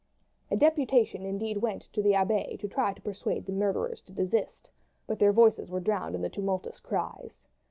A deputation indeed went to the Abbaye to try to persuade the murderers to desist; but their voices were drowned in the tumultuous cries.